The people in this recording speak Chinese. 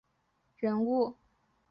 中国共产党早期人物。